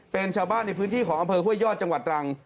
เป็นชาวบ้านในพื้นที่ของอำเภอห้วยยอดจังหวัดตรัง